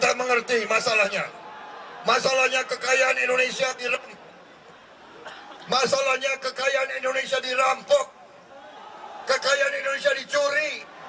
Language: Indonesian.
kekayaan indonesia dicuri